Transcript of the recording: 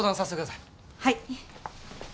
はい。